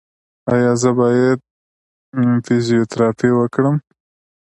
ایا زه باید فزیوتراپي وکړم؟